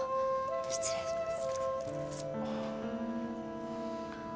失礼します。